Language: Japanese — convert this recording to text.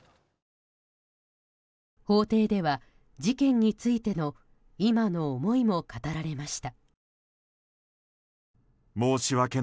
法廷では事件についての今の思いも語られました。